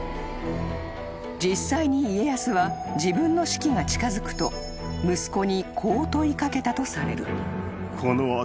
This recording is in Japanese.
［実際に家康は自分の死期が近づくと息子にこう問い掛けたとされる］